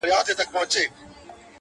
خو په ونه کي تر دوی دواړو کوچنی یم،